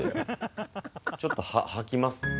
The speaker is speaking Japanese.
ちょっと吐きます。